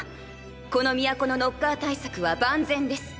この都のノッカー対策は万全です。